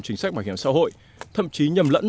chính sách bảo hiểm xã hội thậm chí nhầm lẫn